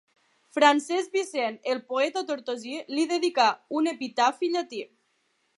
Francesc Vicent, el poeta tortosí, li dedicà un epitafi llatí.